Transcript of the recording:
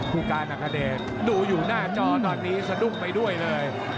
ผู้การอัคเดชดูอยู่หน้าจอตอนนี้สะดุ้งไปด้วยเลย